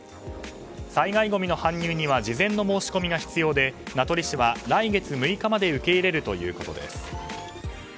災害ごみの搬入には事前の申し込みが必要で名取市は来月６日まで受け入れるということです。